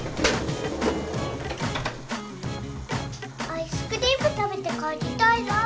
・アイスクリーム食べて帰りたいな。